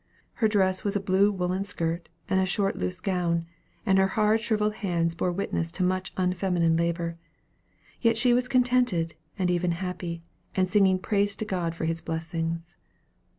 Her dress was a blue woollen skirt, and a short loose gown; and her hard shrivelled hands bore witness to much unfeminine labor. Yet she was contented, and even happy, and singing praise to God for his blessings.